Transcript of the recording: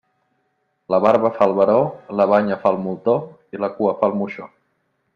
La barba fa el baró, la banya fa el moltó i la cua fa el moixó.